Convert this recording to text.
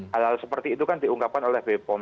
hal hal seperti itu kan diunggapkan oleh bom